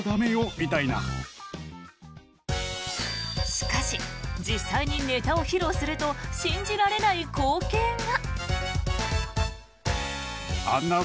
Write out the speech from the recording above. しかし実際にネタを披露すると信じられない光景が。